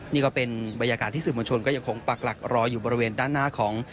นี่ก็เป็นบรรยากาศที่สื่อมวลชนก็ยังคงปักหลักรออยู่บริเวณด้านหน้าของ